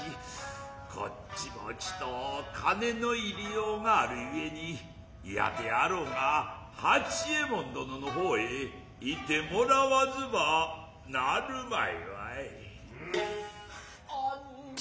こっちもちと金の入用があるゆえにイヤであろうが八右衛門殿の方へいってもらわずばなるまいわい。